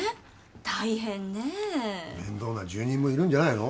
大変ねえ面倒な住人もいるんじゃないの？